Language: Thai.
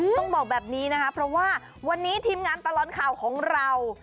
ต้องบอกแบบนี้วันนี้ทีมงานตลอดข่าวของเรา